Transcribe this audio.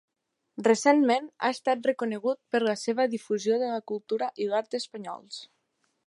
Recentment, ha estat reconegut per la seva difusió de la cultura i l'art espanyols.